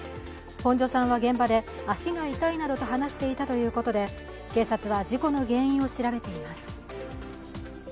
本庶さんは、現場で足が痛いなどと話していたということで警察は事故の原因を調べています。